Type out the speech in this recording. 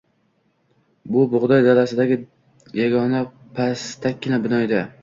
Bu bug`doy dalasidagi yagona pastakkina bino edi